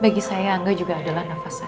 bagi saya angga juga adalah nafasnya